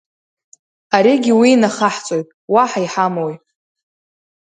Аригьы уи инахаҳҵоит, уаҳа иҳамои?